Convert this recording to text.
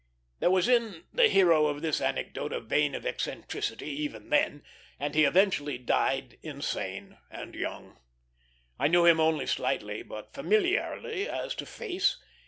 There was in the hero of this anecdote a vein of eccentricity even then, and he eventually died insane and young. I knew him only slightly, but familiarly as to face.